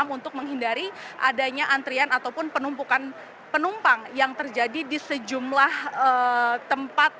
untuk menghindari adanya antrian ataupun penumpukan penumpang yang terjadi di sejumlah tempat